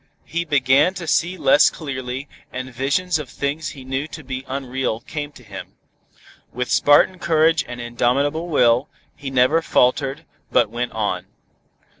He began to see less clearly, and visions of things he knew to be unreal came to him. With Spartan courage and indomitable will, he never faltered, but went on.